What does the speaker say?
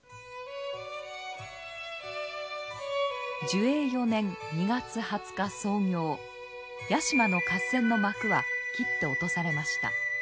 寿永４年２月２０日早暁屋島の合戦の幕は切って落とされました。